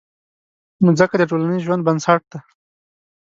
مځکه د ټولنیز ژوند بنسټ ده.